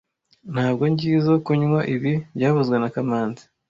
Ntabwo ngizoe kunywa ibi byavuzwe na kamanzi